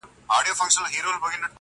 او د چڼچڼو شورماشور کي به د زرکو آواز!!